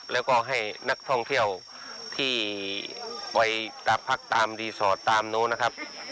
แล้วก็ให้นักท่องเที่ยวที่ไปตากพักตามรีสอร์ทตามนู้นนะครับ